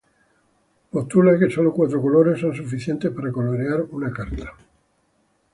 Postula que solo cuatro colores son suficientes para colorear una carta.